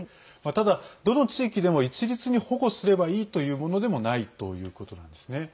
ただ、どの地域でも一律に保護すればいいというものでもないということなんですね。